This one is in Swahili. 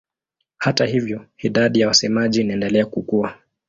Hata hivyo idadi ya wasemaji inaendelea kukua.